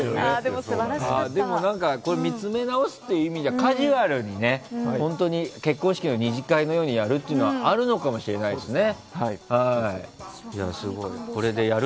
見つめ直すという意味ではカジュアルに結婚式の２次会のようにやるのはあるのかもしれないですね。